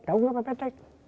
tahu gak pepetek